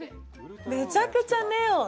めちゃくちゃネオン。